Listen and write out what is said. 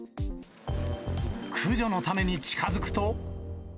駆除のために近づくと。